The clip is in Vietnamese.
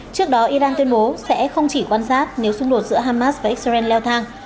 trước đó iran tuyên bố sẽ không chỉ quan sát nếu xung đột giữa hamas và israel leo thang